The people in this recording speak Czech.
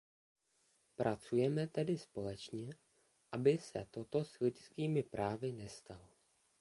Pracujme tedy společně, aby se toto s lidskými právy nestalo.